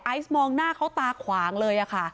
อายส์มองหน้าเขาตาขวางเลย